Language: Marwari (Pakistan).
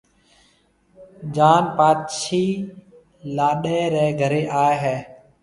جان پاڇِي لاڏَي رَي گھرَي آئيَ ھيََََ